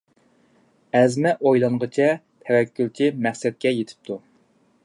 ئەزمە ئويلانغۇچە، تەۋەككۈلچى مەقسەتكە يېتىپتۇ.